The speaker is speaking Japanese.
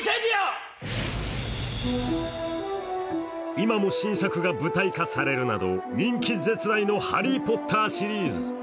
今も新作が舞台化されるなど人気絶大の「ハリー・ポッター」シリーズ。